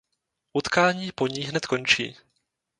Utkání po ní hned končí.